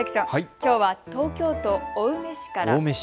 きょうは東京青梅市から。